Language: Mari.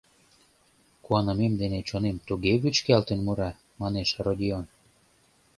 — Куанымем дене чонем туге вӱчкалтын мура, — манеш Родион.